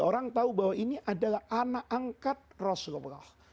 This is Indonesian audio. orang tahu bahwa ini adalah anak angkat rasulullah